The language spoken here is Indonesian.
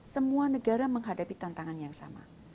semua negara menghadapi tantangan yang sama